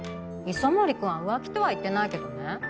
磯森君は浮気とは言ってないけどね。